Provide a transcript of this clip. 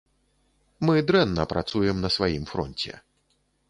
Мы дрэнна працуем на сваім фронце.